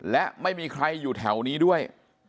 และไม่มีใครอยู่แถวนี้ด้วย